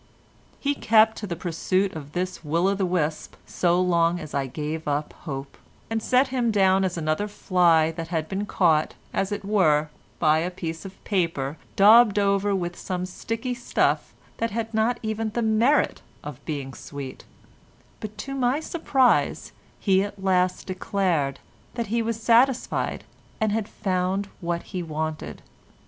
He kept to the pursuit of this will o' the wisp so long that I gave up hope, and set him down as another fly that had been caught, as it were, by a piece of paper daubed over with some sticky stuff that had not even the merit of being sweet, but to my surprise he at last declared that he was satisfied, and had found what he wanted.